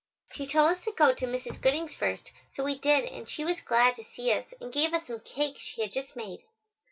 She told us to go to Mrs. Gooding's first, so we did and she was glad to see us and gave us some cake she had just made.